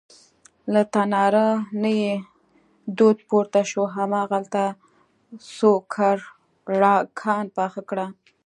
له تناره نه یې دود پورته شو، هماغلته سوکړکان پاخه کړه.